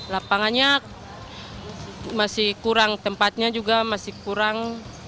lapangannya masih kurang tempatnya juga masih kurang